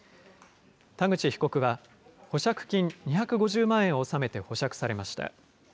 田口被告は、保釈金２５０万円を納めて保釈されました。